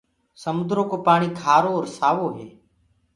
سموندرو ڪو پآڻي کآرو آور سآوو هي